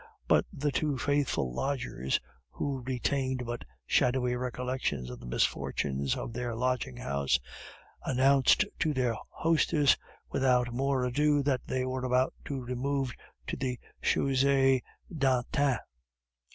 But the two faithful lodgers, who retained but shadowy recollections of the misfortunes of their lodging house, announced to their hostess without more ado that they were about to remove to the Chaussee d'Antin.